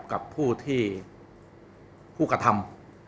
กับผู้ที่ผู้กระทำ